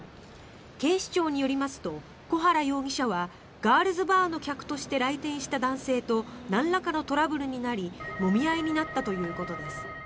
警視庁によりますと小原容疑者はガールズバーの客として来店した男性となんらかのトラブルになりもみ合いになったということです。